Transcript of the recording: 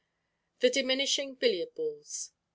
The Diminishing Billiard Balls.